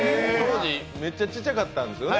当時、めっちゃちっちゃかったんですね。